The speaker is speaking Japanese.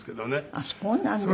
あっそうなんですか。